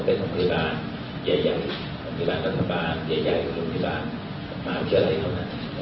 เป็นโรงพยาบาลใหญ่โรงพยาบาลรัฐบาลใหญ่โรงพยาบาลมากเท่าไหร่เท่านั้น